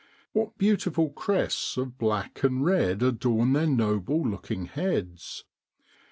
What beautiful crests of black and red adorn their noble looking heads!